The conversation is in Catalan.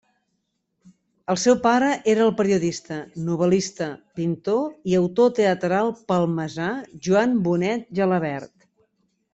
El seu pare era el periodista, novel·lista, pintor i autor teatral palmesà Joan Bonet Gelabert.